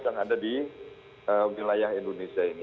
yang ada di wilayah indonesia ini